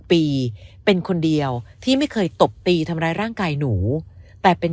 ปีเป็นคนเดียวที่ไม่เคยตบตีทำร้ายร่างกายหนูแต่เป็น